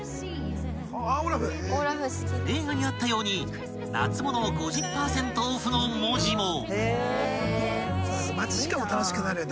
［映画にあったように「夏物５０％オフ」の文字も］